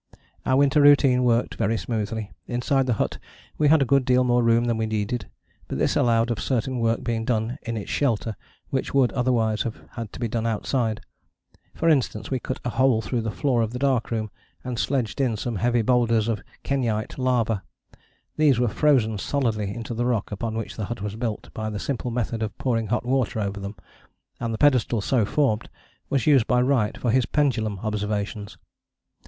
Our winter routine worked very smoothly. Inside the hut we had a good deal more room than we needed, but this allowed of certain work being done in its shelter which would otherwise have had to be done outside. For instance we cut a hole through the floor of the dark room, and sledged in some heavy boulders of kenyte lava: these were frozen solidly into the rock upon which the hut was built by the simple method of pouring hot water over them, and the pedestal so formed was used by Wright for his pendulum observations.